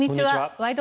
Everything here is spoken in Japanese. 「ワイド！